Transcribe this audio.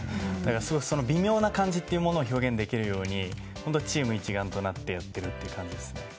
すごくその微妙な感じを表現できるようにチーム一丸となってやっているという感じです。